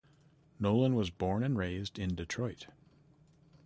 Nolan was born and raised in Detroit.